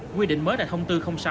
nguyên định mới là thông tư sáu